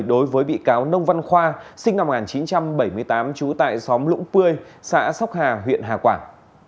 đối với bị cáo nông văn khoa sinh năm một nghìn chín trăm bảy mươi tám trú tại xóm lũng pươi xã sóc hà huyện hà quảng